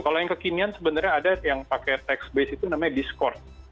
kalau yang kekinian sebenarnya ada yang pakai tax base itu namanya discourse